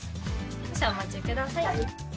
少々お待ちください。